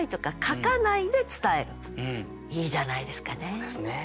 そうですね。